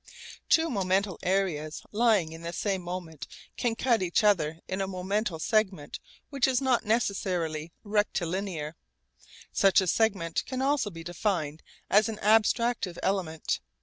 Two momental areas lying in the same moment can cut each other in a momental segment which is not necessarily rectilinear. Such a segment can also be defined as an abstractive element.